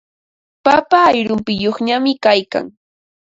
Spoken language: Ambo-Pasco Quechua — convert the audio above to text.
Papa ayrumpiyuqñami kaykan.